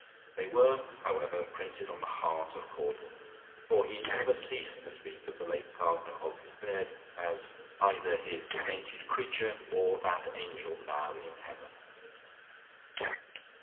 They were, however, printed on the heart of Caudle; for he never ceased to speak of the late partner of his bed as either "his sainted creature," or "that angel now in heaven."